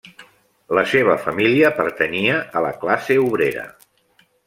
La seva família pertanyia a la classe obrera.